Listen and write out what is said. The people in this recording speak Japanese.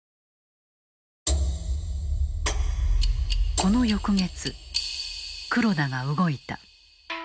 この翌月、黒田が動いた。